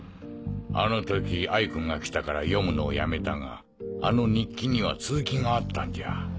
あの時哀君が来たから読むのをやめたがあの日記には続きがあったんじゃ。